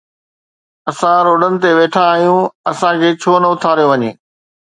اسان روڊن تي ويٺا آهيون، اسان کي ڇو نه اٿاريو وڃي؟